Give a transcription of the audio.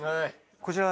こちら。